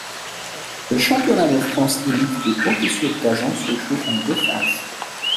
Le championnat de France Elite de hockey sur gazon se joue en deux phases.